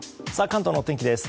関東のお天気です。